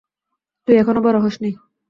তুই এখনো বড় হসনি।